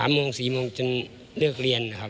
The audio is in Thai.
โมง๔โมงจนเลิกเรียนนะครับ